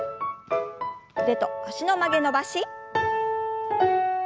腕と脚の曲げ伸ばし。